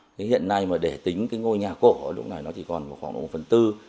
thế hiện nay mà để tính cái ngôi nhà cổ lúc này nó chỉ còn khoảng một phần tư